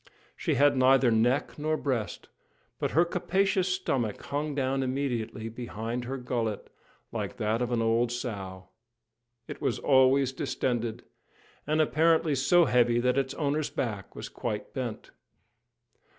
She had neither neck nor breast, but her capacious stomach hung down immediately behind her gullet, like that of an old sow. It was always distended, and apparently so heavy that its owner's back was quite bent.